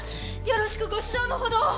よろしくご指導のほどを！